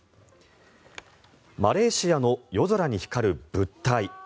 マレーシアの夜空に光る物体。